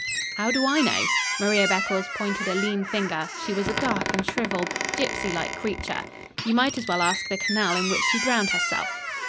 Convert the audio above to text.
"How do I know?" Maria Beccles pointed a lean finger she was a dark and shrivelled, gipsy like creature. "You might as well ask the canal in which she drowned herself."